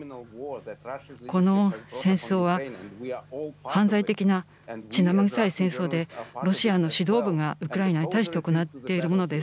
この戦争は、犯罪的な血なまぐさい戦争で、ロシアの指導部がウクライナに対して行っているものです。